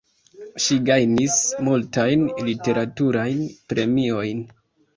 Ŝi gajnis multajn literaturajn premiojn.